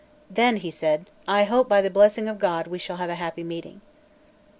"Then," he said, "I hope, by the blessing of God, we shall have a happy meeting."